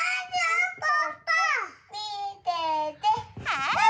はい！